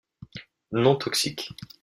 Non toxique.